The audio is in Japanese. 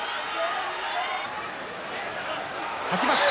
立ちます。